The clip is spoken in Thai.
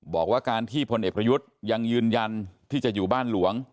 บอกว่าการที่พลเอกประยุทธ์ยังยืนยันที่จะอยู่บ้านหลวง